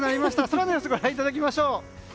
空の様子をご覧いただきましょう。